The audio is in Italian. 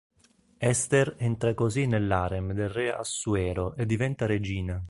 Ester entra così nell'harem del re Assuero e diventa regina.